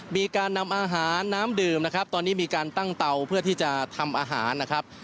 มีการนำอาหารน้ำดื่มนะครับตอนนี้มีการตั้งเตาเพื่อที่จะทำอาหารนะครับ